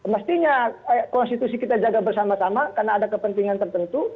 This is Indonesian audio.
mestinya konstitusi kita jaga bersama sama karena ada kepentingan tertentu